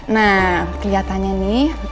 nah keliatannya nih